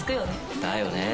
だよね。